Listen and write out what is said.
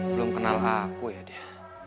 belum kenal aku ya dia